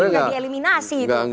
jadi ini jadi eliminasi itu